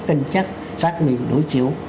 cân chắc xác minh đối chiếu